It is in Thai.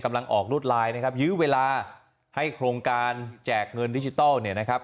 ออกรวดลายนะครับยื้อเวลาให้โครงการแจกเงินดิจิทัลเนี่ยนะครับ